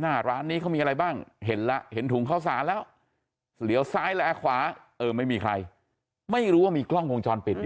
หน้าร้านนี้เขามีอะไรบ้างเห็นแล้วเห็นถุงข้าวสารแล้วเหลียวซ้ายและแอร์ขวาเออไม่มีใครไม่รู้ว่ามีกล้องวงจรปิดอยู่